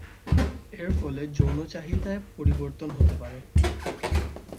এর ফলে যৌন চাহিদায় পরিবর্তন হতে পারে।